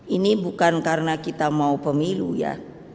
ini bukan karena kita mau pemilu ya